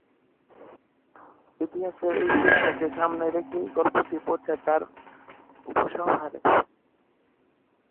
ইতিহাসের এই শিক্ষাকে সামনে রেখেই গল্পটি পৌঁছায় তার উপসংহারে।